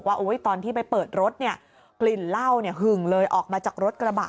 ตอนที่ไปเปิดรถเนี่ยกลิ่นเหล้าหึงเลยออกมาจากรถกระบะ